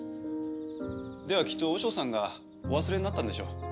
ではきっと和尚さんがお忘れになったんでしょう。